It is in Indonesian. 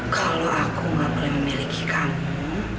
kalau aku nggak boleh memiliki kamu